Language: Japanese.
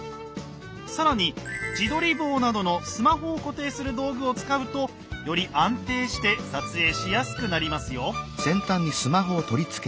更に自撮り棒などのスマホを固定する道具を使うとより安定して撮影しやすくなりますよ。